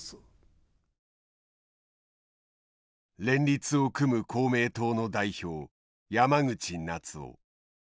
連立を組む公明党の代表山口那津男。